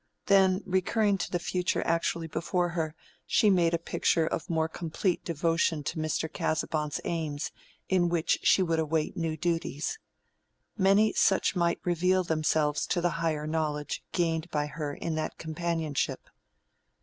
Then, recurring to the future actually before her, she made a picture of more complete devotion to Mr. Casaubon's aims in which she would await new duties. Many such might reveal themselves to the higher knowledge gained by her in that companionship.